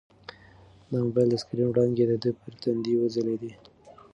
د موبایل د سکرین وړانګې د ده پر تندي وځلېدې.